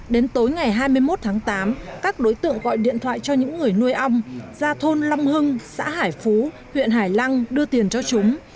đến tối ngày hai mươi một tháng tám các đối tượng gọi điện thoại cho những người nuôi ong ra thôn long hưng xã hải phú huyện hải lăng đưa tiền cho chúng